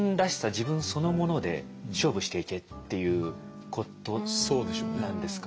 自分そのもので勝負していけっていうことなんですか？